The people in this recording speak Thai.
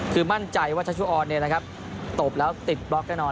คือมั่นใจว่าชัชุออนเนยนะครับตบแล้วติดบล็อกได้นอน